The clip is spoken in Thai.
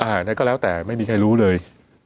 อะไรก็แล้วแต่ไม่มีใครรู้เลย